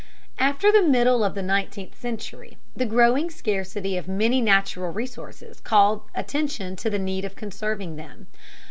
After the middle of the nineteenth century the growing scarcity of many natural resources called attention to the need of conserving them.